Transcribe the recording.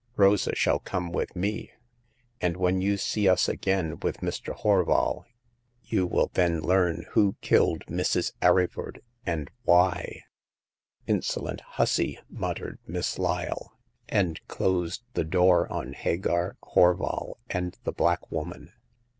" Rosa shall come with me ; and when you see us again with Mr. Horval, you will then learn who killed Mrs. Arryford, and why." " Insolent hussy !" muttered Miss Lyle, and closed the door on Hagar, Horval and the black woman.